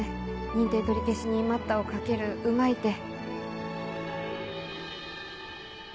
認定取り消しに待ったをかけるうまい手。